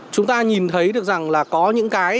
chúng ta nhìn thấy được rằng là có những cái